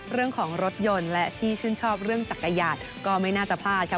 เรื่องของรถยนต์และที่ชื่นชอบเรื่องจักรยานก็ไม่น่าจะพลาดค่ะ